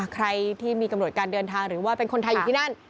ใครที่มีกำหนดการเดินทางหรือว่าเป็นคนไทยอยู่ที่นั่น